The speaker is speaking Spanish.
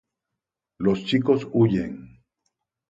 Los chicos huyen.